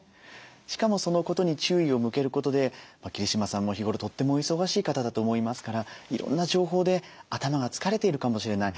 しかもそのことに注意を向けることで桐島さんも日頃とってもお忙しい方だと思いますからいろんな情報で頭が疲れているかもしれない。